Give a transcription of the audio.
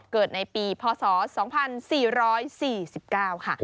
เกิดในปีพศ๒๔๔๙ค่ะ